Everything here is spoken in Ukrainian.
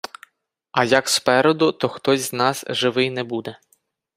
А як спереду, то хтось з нас живий не буде...